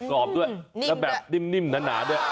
กรอบด้วยและแบบนิ่มหนา